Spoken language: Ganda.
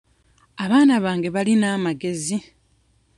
Abaana bange balina amagezi.